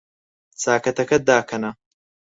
چاکەتەکەت داکەنە.